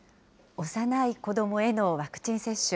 幼い子どもへのワクチン接種。